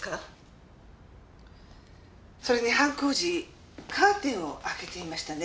それに犯行時カーテンを開けていましたね。